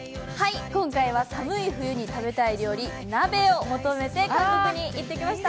今回は寒い冬に食べたい料理、鍋を求めて韓国に行ってきました。